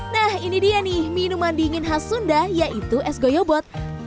nah ini dia nih minuman dingin khas sunda yaitu es goyobot